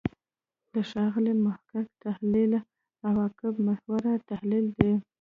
د ښاغلي محق تحلیل «عواقب محوره» تحلیل دی.